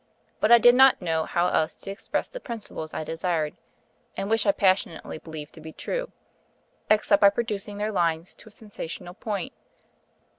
But I did not know how else to express the principles I desired (and which I passionately believe to be true) except by producing their lines to a sensational point.